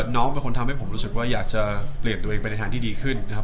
น้องเป็นคนทำให้ผมรู้สึกว่าอยากจะเปลี่ยนตัวเองไปในทางที่ดีขึ้นนะครับ